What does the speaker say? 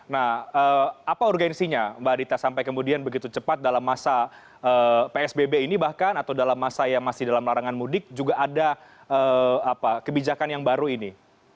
nah apa urgensinya mbak adita sampai kemudian begitu cepat dalam masa psbb ini bahkan atau dalam masa yang masih dalam larangan mudik juga ada kebijakan yang baru ini